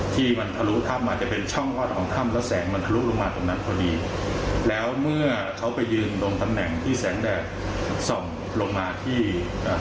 ที่มันทะลุถ้ำมาจะเป็นช่องรอดของถ้ำแล้วแสงมันทะลุลงมาตรงนั้นพอดีแล้วเมื่อเขาไปยืนตรงตำแหน่งที่แสงแดดส่องลงมาที่อ่า